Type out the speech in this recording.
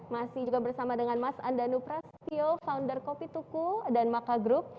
masih juga bersama dengan mas andanu prasetyo founder kopi tuku dan maka group